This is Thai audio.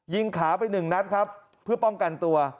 ยิงขาไป๑นัดครับเพื่อป้องกันตัว